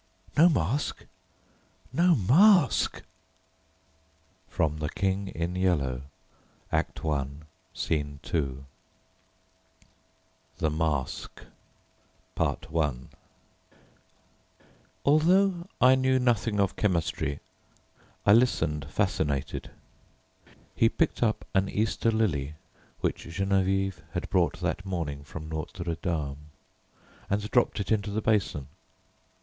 No mask? No mask! The King in Yellow, Act I, Scene 2. I Although I knew nothing of chemistry, I listened fascinated. He picked up an Easter lily which Geneviève had brought that morning from Notre Dame, and dropped it into the basin.